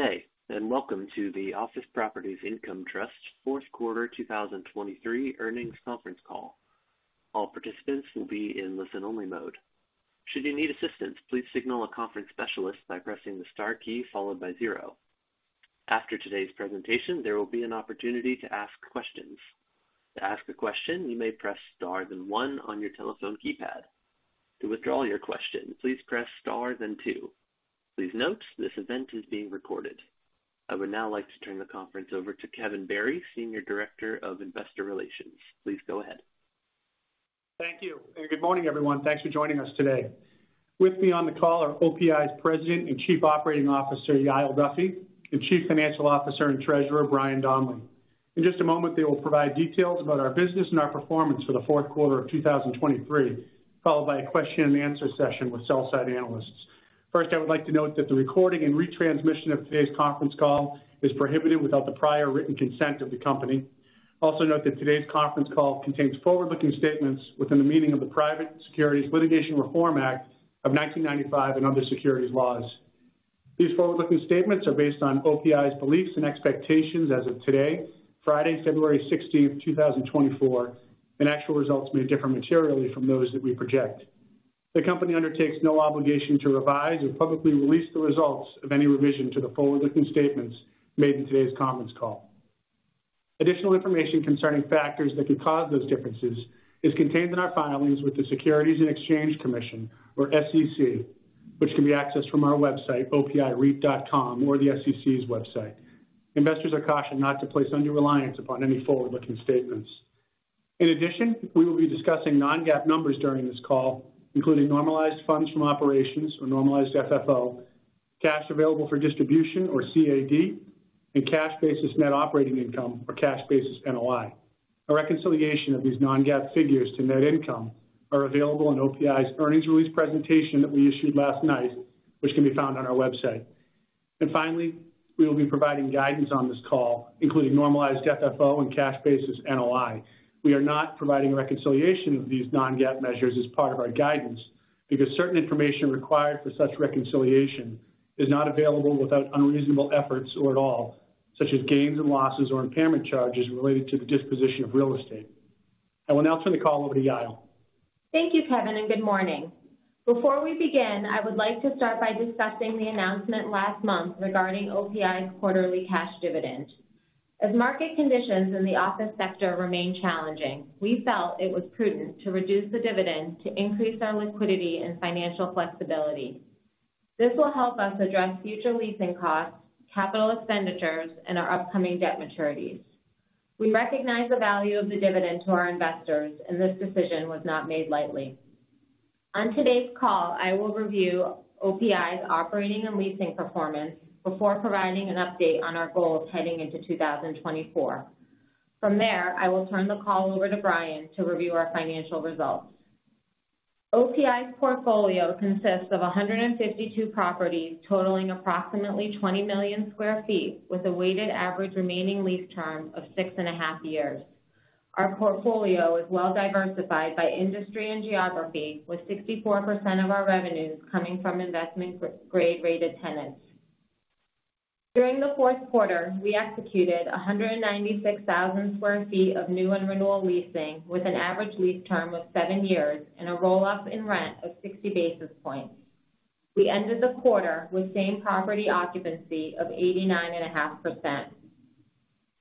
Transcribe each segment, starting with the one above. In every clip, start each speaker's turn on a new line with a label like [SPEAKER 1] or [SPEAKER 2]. [SPEAKER 1] Good day and welcome to the Office Properties Income Trust Q4 2023 earnings conference call. All participants will be in listen-only mode. Should you need assistance, please signal a conference specialist by pressing the star key followed by zero. After today's presentation, there will be an opportunity to ask questions. To ask a question, you may press star then one on your telephone keypad. To withdraw your question, please press star then two. Please note, this event is being recorded. I would now like to turn the conference over to Kevin Barry, Senior Director of Investor Relations. Please go ahead.
[SPEAKER 2] Thank you. And good morning, everyone. Thanks for joining us today. With me on the call are OPI's President and Chief Operating Officer Yael Duffy and Chief Financial Officer and Treasurer Brian Donley. In just a moment, they will provide details about our business and our performance for the Q4 of 2023, followed by a Q&A session with sell-side analysts. First, I would like to note that the recording and retransmission of today's conference call is prohibited without the prior written consent of the company. Also note that today's conference call contains forward-looking statements within the meaning of the Private Securities Litigation Reform Act of 1995 and other securities laws. These forward-looking statements are based on OPI's beliefs and expectations as of today, Friday, February 16th, 2024, and actual results may differ materially from those that we project. The company undertakes no obligation to revise or publicly release the results of any revision to the forward-looking statements made in today's conference call. Additional information concerning factors that could cause those differences is contained in our filings with the Securities and Exchange Commission, or SEC, which can be accessed from our website, opireit.com, or the SEC's website. Investors are cautioned not to place under-reliance upon any forward-looking statements. In addition, we will be discussing non-GAAP numbers during this call, including normalized funds from operations, or normalized FFO, cash available for distribution, or CAD, and cash-basis net operating income, or cash-basis NOI. A reconciliation of these non-GAAP figures to net income is available in OPI's earnings release presentation that we issued last night, which can be found on our website. And finally, we will be providing guidance on this call, including normalized FFO and cash-basis NOI. We are not providing a reconciliation of these non-GAAP measures as part of our guidance because certain information required for such reconciliation is not available without unreasonable efforts or at all, such as gains and losses or impairment charges related to the disposition of real estate. I will now turn the call over to Yael.
[SPEAKER 3] Thank you, Kevin, and good morning. Before we begin, I would like to start by discussing the announcement last month regarding OPI's quarterly cash dividend. As market conditions in the office sector remain challenging, we felt it was prudent to reduce the dividend to increase our liquidity and financial flexibility. This will help us address future leasing costs, capital expenditures, and our upcoming debt maturities. We recognize the value of the dividend to our investors, and this decision was not made lightly. On today's call, I will review OPI's operating and leasing performance before providing an update on our goals heading into 2024. From there, I will turn the call over to Brian to review our financial results. OPI's portfolio consists of 152 properties totaling approximately 20 million sq ft with a weighted average remaining lease term of 6.5 years. Our portfolio is well-diversified by industry and geography, with 64% of our revenues coming from investment-grade rated tenants. During the Q4, we executed 196,000 sq ft of new and renewal leasing with an average lease term of seven years and a roll-up in rent of 60 basis points. We ended the quarter with same property occupancy of 89.5%.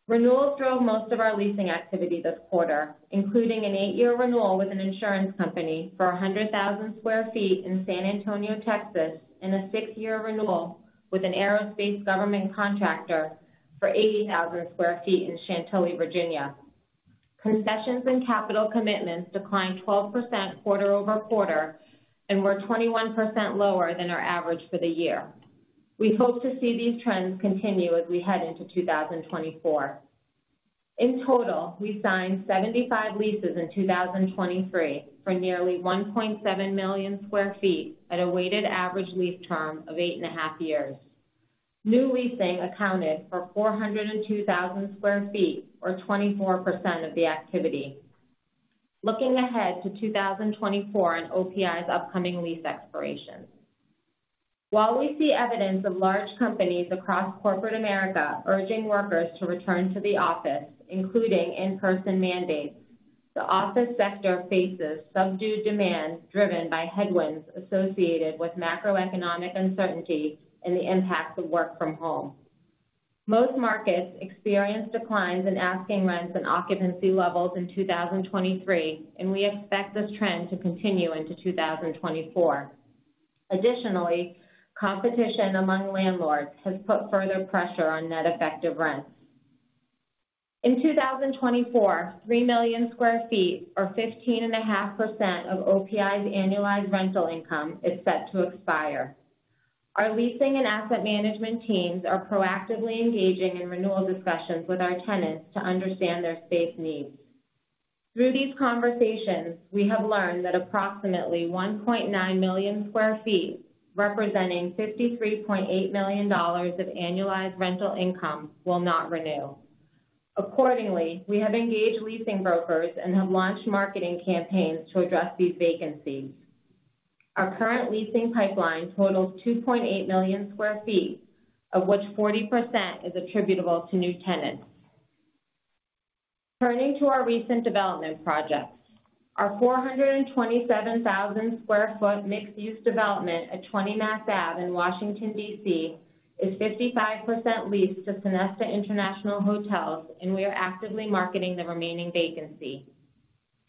[SPEAKER 3] Renewals drove most of our leasing activity this quarter, including an eight-year renewal with an insurance company for 100,000 sq ft in San Antonio, Texas, and a six-year renewal with an aerospace government contractor for 80,000 sq ft in Chantilly, Virginia. Concessions and capital commitments declined 12% quarter-over-quarter and were 21% lower than our average for the year. We hope to see these trends continue as we head into 2024. In total, we signed 75 leases in 2023 for nearly 1.7 million sq ft at a weighted average lease term of 8.5 years. New leasing accounted for 402,000 sq ft, or 24% of the activity. Looking ahead to 2024 and OPI's upcoming lease expirations: While we see evidence of large companies across corporate America urging workers to return to the office, including in-person mandates, the office sector faces subdued demand driven by headwinds associated with macroeconomic uncertainty and the impact of work from home. Most markets experienced declines in asking rents and occupancy levels in 2023, and we expect this trend to continue into 2024. Additionally, competition among landlords has put further pressure on net effective rents. In 2024, 3 million sq ft, or 15.5% of OPI's annualized rental income, is set to expire. Our leasing and asset management teams are proactively engaging in renewal discussions with our tenants to understand their space needs. Through these conversations, we have learned that approximately 1.9 million sq ft, representing $53.8 million of annualized rental income, will not renew. Accordingly, we have engaged leasing brokers and have launched marketing campaigns to address these vacancies. Our current leasing pipeline totals 2.8 million sq ft, of which 40% is attributable to new tenants. Turning to our recent development projects, our 427,000 sq ft mixed-use development at 20 Mass Ave in Washington, D.C., is 55% leased to Sonesta International Hotels, and we are actively marketing the remaining vacancy.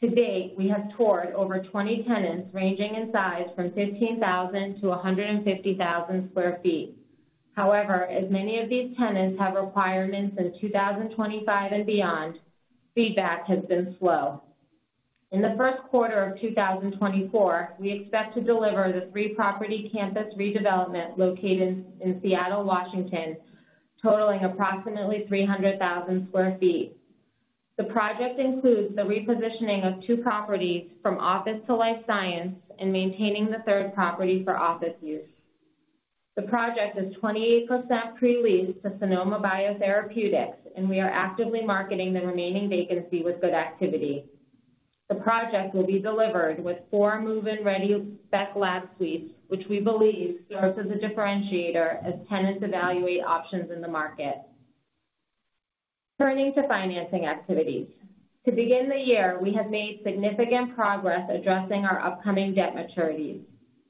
[SPEAKER 3] To date, we have toured over 20 tenants ranging in size from 15,000-150,000 sq ft. However, as many of these tenants have requirements in 2025 and beyond, feedback has been slow. In the Q1 of 2024, we expect to deliver the three-property campus redevelopment located in Seattle, Washington, totaling approximately 300,000 sq ft. The project includes the repositioning of two properties from office to life science and maintaining the third property for office use. The project is 28% pre-leased to Sonoma Biotherapeutics, and we are actively marketing the remaining vacancy with good activity. The project will be delivered with four move-in-ready spec lab suites, which we believe serves as a differentiator as tenants evaluate options in the market. Turning to financing activities. To begin the year, we have made significant progress addressing our upcoming debt maturities.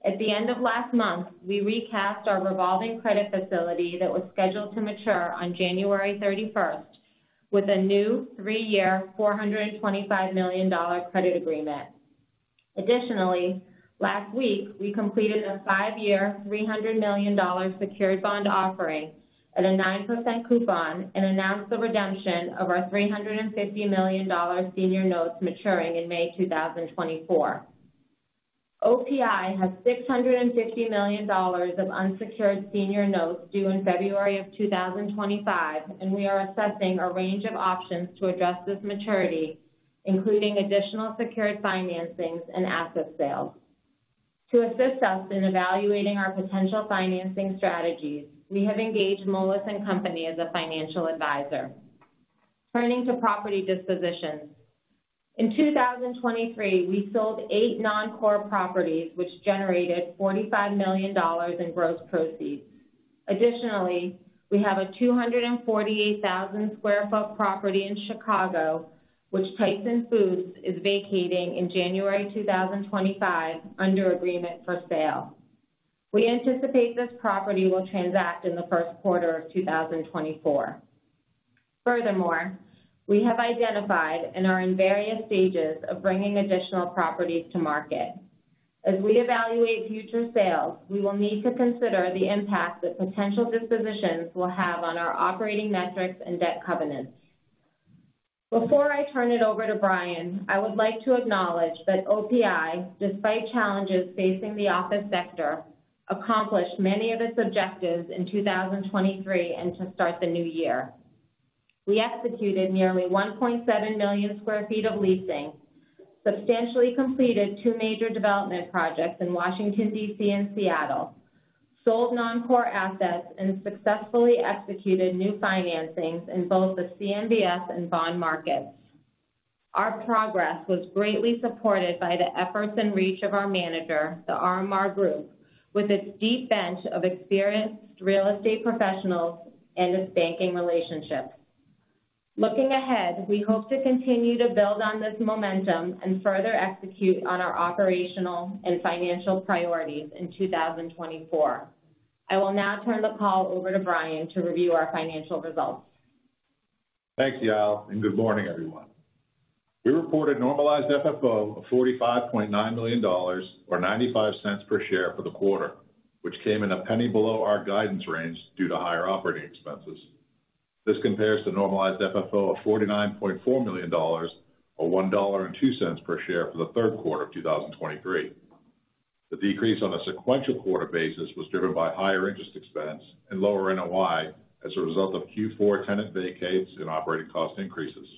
[SPEAKER 3] At the end of last month, we recast our revolving credit facility that was scheduled to mature on January 31st with a new three-year $425 million credit agreement. Additionally, last week, we completed a five-year $300 million secured bond offering at a 9% coupon and announced the redemption of our $350 million senior notes maturing in May 2024. OPI has $650 million of unsecured senior notes due in February of 2025, and we are assessing a range of options to address this maturity, including additional secured financings and asset sales. To assist us in evaluating our potential financing strategies, we have engaged Moelis & Company as a financial advisor. Turning to property dispositions. In 2023, we sold eight non-core properties, which generated $45 million in gross proceeds. Additionally, we have a 248,000 sq ft property in Chicago, which Tyson Foods is vacating in January 2025 under agreement for sale. We anticipate this property will transact in the first quarter of 2024. Furthermore, we have identified and are in various stages of bringing additional properties to market. As we evaluate future sales, we will need to consider the impact that potential dispositions will have on our operating metrics and debt covenants. Before I turn it over to Brian, I would like to acknowledge that OPI, despite challenges facing the office sector, accomplished many of its objectives in 2023 and to start the new year. We executed nearly 1.7 million sq ft of leasing, substantially completed two major development projects in Washington, D.C., and Seattle, sold non-core assets, and successfully executed new financings in both the CMBS and bond markets. Our progress was greatly supported by the efforts and reach of our manager, the RMR Group, with its deep bench of experienced real estate professionals and its banking relationships. Looking ahead, we hope to continue to build on this momentum and further execute on our operational and financial priorities in 2024. I will now turn the call over to Brian to review our financial results.
[SPEAKER 4] Thanks, Yael, and good morning, everyone. We reported normalized FFO of $45.9 million, or $0.95 per share, for the quarter, which came in $0.01 below our guidance range due to higher operating expenses. This compares to normalized FFO of $49.4 million, or $1.02 per share, for the Q3 of 2023. The decrease on a sequential quarter basis was driven by higher interest expense and lower NOI as a result of Q4 tenant vacates and operating cost increases.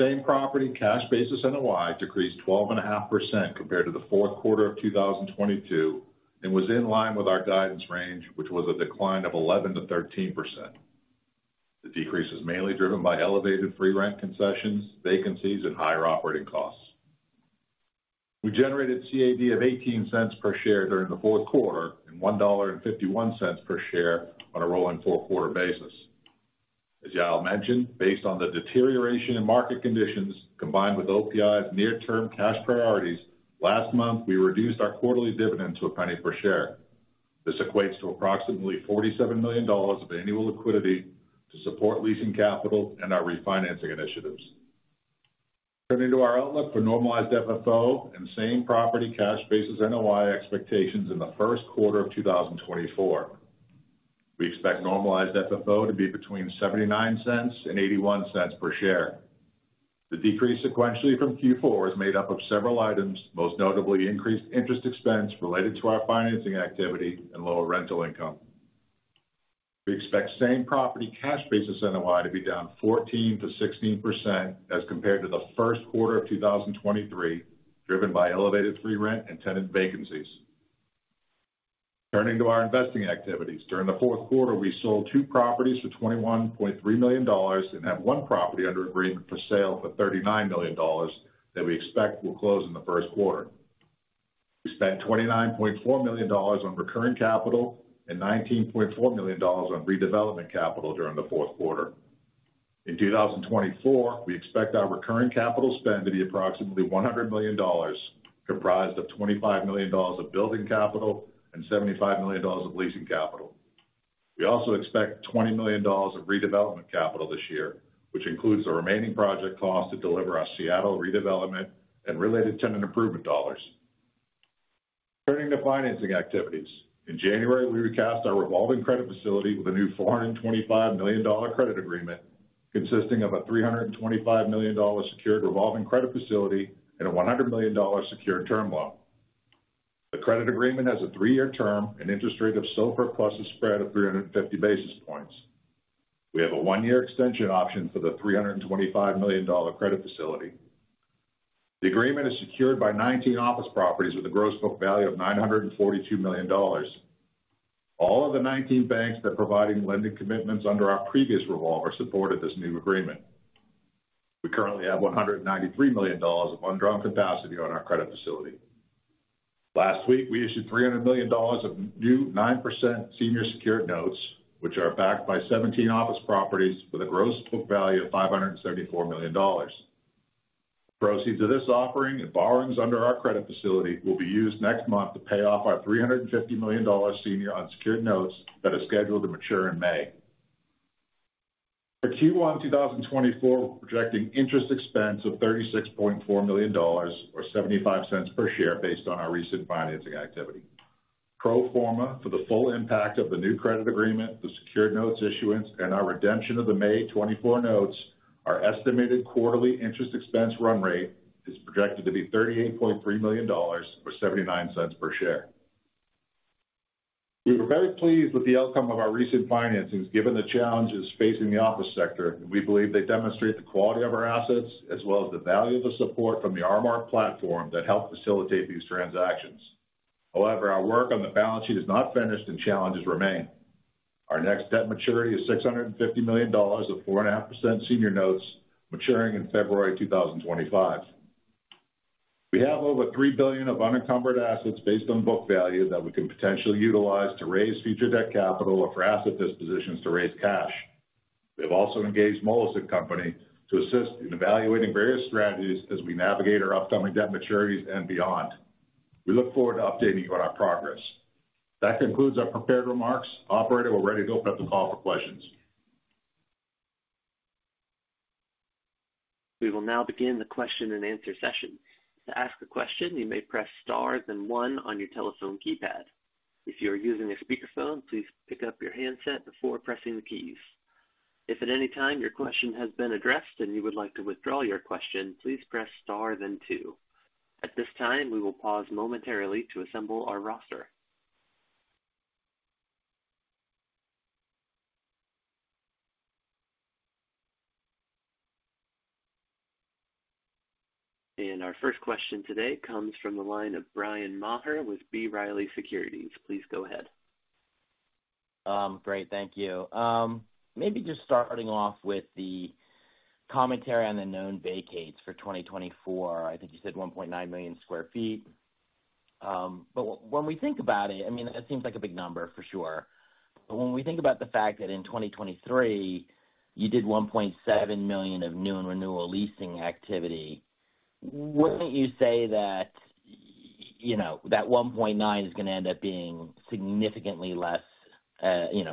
[SPEAKER 4] Same property cash basis NOI decreased 12.5% compared to the Q4 of 2022 and was in line with our guidance range, which was a decline of 11%-13%. The decrease is mainly driven by elevated free rent concessions, vacancies, and higher operating costs. We generated CAD of $0.18 per share during Q4 and $1.51 per share on a rolling four-quarter basis. As Yael mentioned, based on the deterioration in market conditions combined with OPI's near-term cash priorities, last month we reduced our quarterly dividend to $0.01 per share. This equates to approximately $47 million of annual liquidity to support leasing capital and our refinancing initiatives. Turning to our outlook for normalized FFO and same property cash basis NOI expectations in the Q1 of 2024. We expect normalized FFO to be between $0.79 and $0.81 per share. The decrease sequentially from Q4 is made up of several items, most notably increased interest expense related to our financing activity and lower rental income. We expect Same-Property Cash-Basis NOI to be down 14%-16% as compared to the first quarter of 2023, driven by elevated free rent and tenant vacancies. Turning to our investing activities. During the Q4, we sold two properties for $21.3 million and have one property under agreement for sale for $39 million that we expect will close in the Q1. We spent $29.4 million on recurring capital and $19.4 million on redevelopment capital during the Q4. In 2024, we expect our recurring capital spend to be approximately $100 million, comprised of $25 million of building capital and $75 million of leasing capital. We also expect $20 million of redevelopment capital this year, which includes the remaining project cost to deliver our Seattle redevelopment and related tenant improvement dollars. Turning to financing activities. In January, we recast our revolving credit facility with a new $425 million credit agreement consisting of a $325 million secured revolving credit facility and a $100 million secured term loan. The credit agreement has a three-year term and interest rate of SOFR plus a spread of 350 basis points. We have a one-year extension option for the $325 million credit facility. The agreement is secured by 19 office properties with a gross book value of $942 million. All of the 19 banks that provided lending commitments under our previous revolver support this new agreement. We currently have $193 million of undrawn capacity on our credit facility. Last week, we issued $300 million of new 9% senior secured notes, which are backed by 17 office properties with a gross book value of $574 million. Proceeds of this offering and borrowings under our credit facility will be used next month to pay off our $350 million senior unsecured notes that are scheduled to mature in May. For Q1 2024, we're projecting interest expense of $36.4 million, or $0.75 per share, based on our recent financing activity. Pro forma for the full impact of the new credit agreement, the secured notes issuance, and our redemption of the May 2024 notes, our estimated quarterly interest expense run rate is projected to be $38.3 million, or $0.79 per share. We were very pleased with the outcome of our recent financings given the challenges facing the office sector, and we believe they demonstrate the quality of our assets as well as the value of the support from the RMR platform that helped facilitate these transactions. However, our work on the balance sheet is not finished, and challenges remain. Our next debt maturity is $650 million of 4.5% senior notes maturing in February 2025. We have over $3 billion of unencumbered assets based on book value that we can potentially utilize to raise future debt capital or for asset dispositions to raise cash. We have also engaged Moelis & Company to assist in evaluating various strategies as we navigate our upcoming debt maturities and beyond. We look forward to updating you on our progress. That concludes our prepared remarks. Operator, we're ready to open up the call for questions.
[SPEAKER 1] We will now begin the Q&A session. To ask a question, you may press star then one on your telephone keypad. If you are using a speakerphone, please pick up your handset before pressing the keys. If at any time your question has been addressed and you would like to withdraw your question, please press star then two. At this time, we will pause momentarily to assemble our roster. Our first question today comes from the line of Bryan Maher with B. Riley Securities. Please go ahead.
[SPEAKER 5] Great. Thank you. Maybe just starting off with the commentary on the known vacates for 2024. I think you said 1.9 million sq ft. But when we think about it, I mean, that seems like a big number for sure. But when we think about the fact that in 2023, you did 1.7 million of new and renewal leasing activity, wouldn't you say that that 1.9 is going to end up being significantly less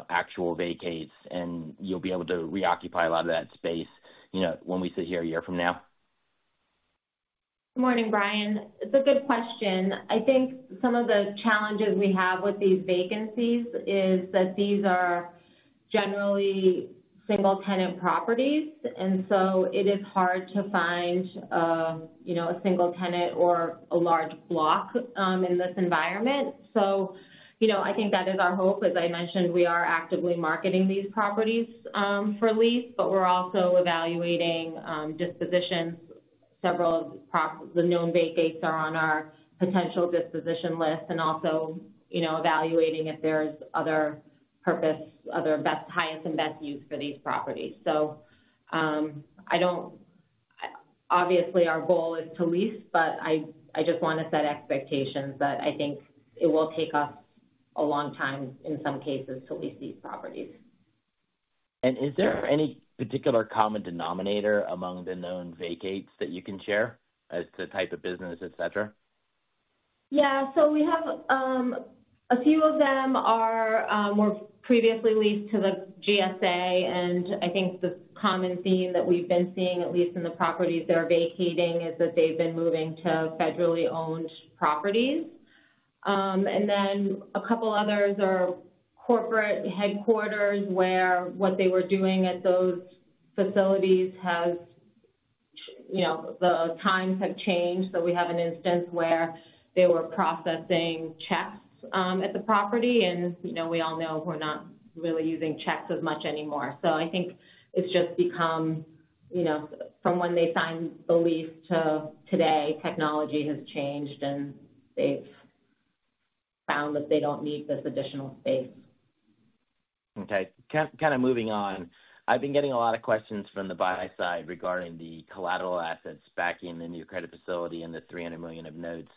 [SPEAKER 5] actual vacates and you'll be able to reoccupy a lot of that space when we sit here a year from now?
[SPEAKER 3] Good morning, Bryan. It's a good question. I think some of the challenges we have with these vacancies is that these are generally single-tenant properties, and so it is hard to find a single tenant or a large block in this environment. So I think that is our hope. As I mentioned, we are actively marketing these properties for lease, but we're also evaluating dispositions. Several of the known vacates are on our potential disposition list and also evaluating if there's other purpose, other highest and best use for these properties. So obviously, our goal is to lease, but I just want to set expectations that I think it will take us a long time in some cases to lease these properties.
[SPEAKER 5] Is there any particular common denominator among the known vacates that you can share as to type of business, etc.?
[SPEAKER 3] Yeah. So we have a few of them were previously leased to the GSA, and I think the common theme that we've been seeing, at least in the properties they're vacating, is that they've been moving to federally owned properties. And then a couple others are corporate headquarters where what they were doing at those facilities has the times have changed. So we have an instance where they were processing checks at the property, and we all know we're not really using checks as much anymore. So I think it's just become from when they signed the lease to today, technology has changed, and they've found that they don't need this additional space.
[SPEAKER 5] Okay. Kind of moving on, I've been getting a lot of questions from the buyer side regarding the collateral assets backing the new credit facility and the $300 million of notes.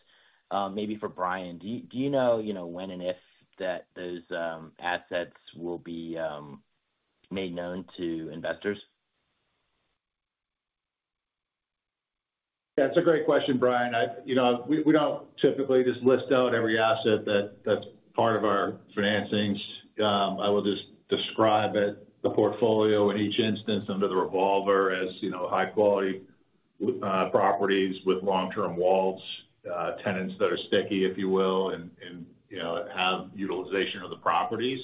[SPEAKER 5] Maybe for Brian, do you know when and if those assets will be made known to investors?
[SPEAKER 4] That's a great question, Brian. We don't typically just list out every asset that's part of our financings. I will just describe the portfolio in each instance under the revolver as high-quality properties with long-term WALs, tenants that are sticky, if you will, and have utilization of the properties.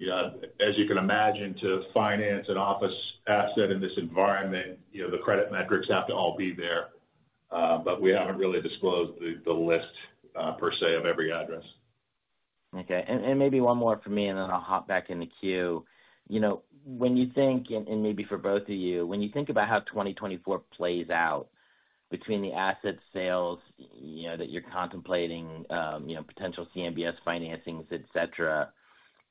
[SPEAKER 4] As you can imagine, to finance an office asset in this environment, the credit metrics have to all be there, but we haven't really disclosed the list per se of every address.
[SPEAKER 5] Okay. And maybe one more for me, and then I'll hop back in the queue. When you think and maybe for both of you, when you think about how 2024 plays out between the asset sales that you're contemplating, potential CMBS financings, etc.,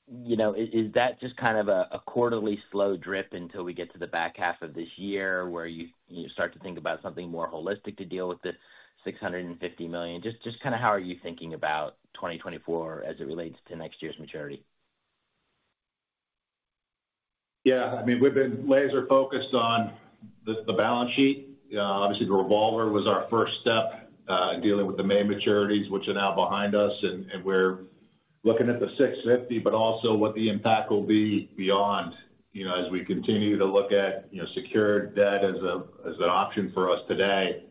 [SPEAKER 5] is that just kind of a quarterly slow drip until we get to the back half of this year where you start to think about something more holistic to deal with the $650 million? Just kind of how are you thinking about 2024 as it relates to next year's maturity?
[SPEAKER 4] Yeah. I mean, we've been laser-focused on the balance sheet. Obviously, the revolver was our first step in dealing with the May maturities, which are now behind us. And we're looking at the 650, but also what the impact will be beyond as we continue to look at secured debt as an option for us today.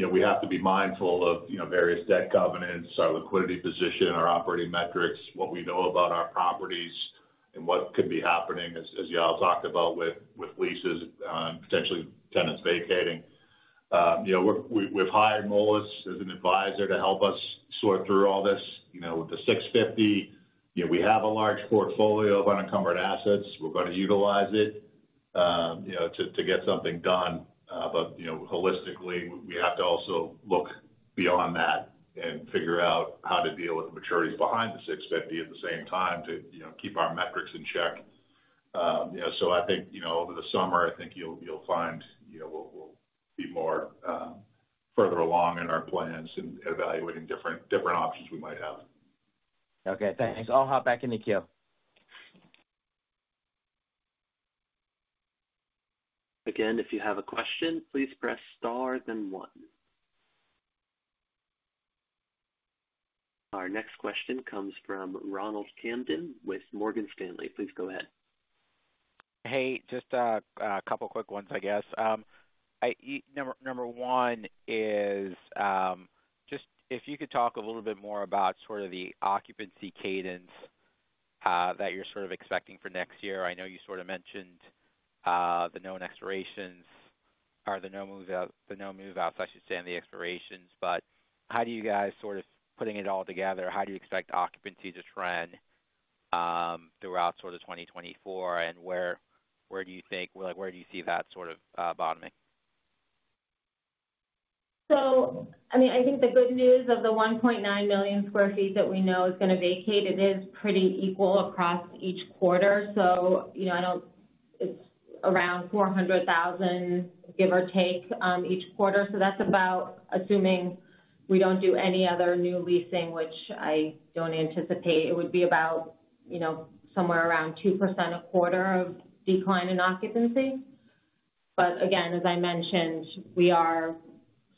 [SPEAKER 4] We have to be mindful of various debt covenants, our liquidity position, our operating metrics, what we know about our properties, and what could be happening, as Yael talked about, with leases and potentially tenants vacating. We've hired Moelis as an advisor to help us sort through all this. With the 650, we have a large portfolio of unencumbered assets. We're going to utilize it to get something done. Holistically, we have to also look beyond that and figure out how to deal with the maturities behind the 650 at the same time to keep our metrics in check. I think over the summer, I think you'll find we'll be further along in our plans and evaluating different options we might have.
[SPEAKER 5] Okay. Thanks. I'll hop back in the queue.
[SPEAKER 1] Again, if you have a question, please press star then one. Our next question comes from Ronald Kamdem with Morgan Stanley. Please go ahead.
[SPEAKER 6] Hey, just a couple quick ones, I guess. Number one is just if you could talk a little bit more about sort of the occupancy cadence that you're sort of expecting for next year. I know you sort of mentioned the known expirations or the no move-outs, I should say, and the expirations. But how do you guys sort of putting it all together, how do you expect occupancy to trend throughout sort of 2024, and where do you think where do you see that sort of bottoming?
[SPEAKER 3] So I mean, I think the good news of the 1.9 million sq ft that we know is going to vacate, it is pretty equal across each quarter. So it's around 400,000, give or take, each quarter. So that's about assuming we don't do any other new leasing, which I don't anticipate. It would be about somewhere around 2% a quarter of decline in occupancy. But again, as I mentioned,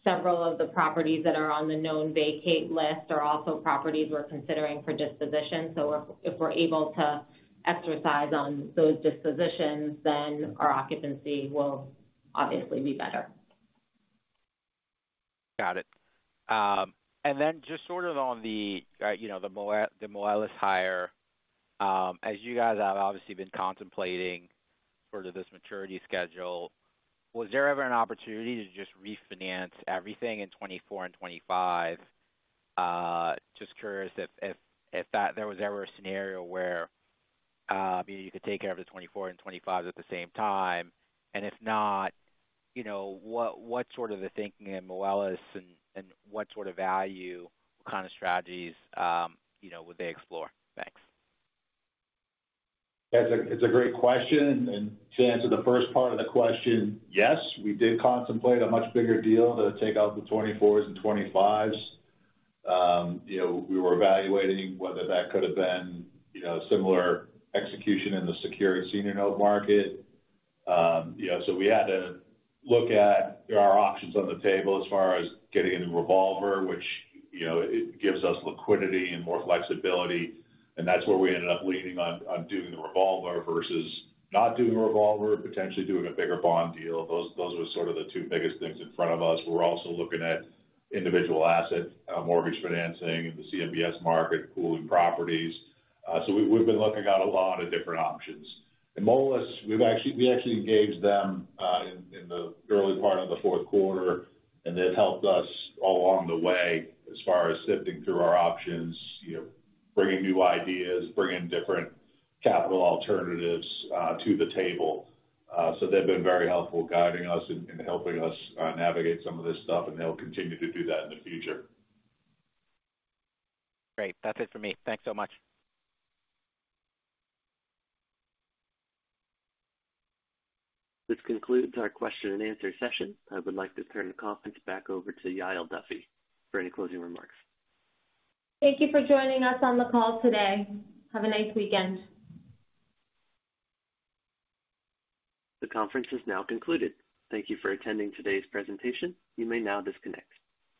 [SPEAKER 3] several of the properties that are on the known vacate list are also properties we're considering for disposition. So if we're able to exercise on those dispositions, then our occupancy will obviously be better.
[SPEAKER 6] Got it. And then just sort of on the Moelis hire, as you guys have obviously been contemplating sort of this maturity schedule, was there ever an opportunity to just refinance everything in 2024 and 2025? Just curious if there was ever a scenario where you could take care of the 2024 and 2025 at the same time. And if not, what sort of the thinking in Moelis and what sort of value, what kind of strategies would they explore? Thanks.
[SPEAKER 4] It's a great question. To answer the first part of the question, yes, we did contemplate a much bigger deal to take out the 2024s and 2025s. We were evaluating whether that could have been a similar execution in the secured senior note market. So we had to look at there are options on the table as far as getting into revolver, which it gives us liquidity and more flexibility. And that's where we ended up leaning on doing the revolver versus not doing the revolver, potentially doing a bigger bond deal. Those were sort of the two biggest things in front of us. We're also looking at individual asset mortgage financing in the CMBS market, pooling properties. So we've been looking at a lot of different options. Moelis, we actually engaged them in the early part of the Q4, and they've helped us all along the way as far as sifting through our options, bringing new ideas, bringing different capital alternatives to the table. So they've been very helpful guiding us and helping us navigate some of this stuff, and they'll continue to do that in the future.
[SPEAKER 6] Great. That's it for me. Thanks so much.
[SPEAKER 1] This concludes our question and answer session. I would like to turn the conference back over to Yael Duffy for any closing remarks.
[SPEAKER 3] Thank you for joining us on the call today. Have a nice weekend.
[SPEAKER 1] The conference is now concluded. Thank you for attending today's presentation. You may now disconnect.